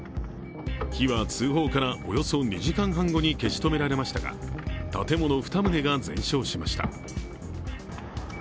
火は、通報からおよそ２時間半後に消し止められましたが建物２棟が全焼しました。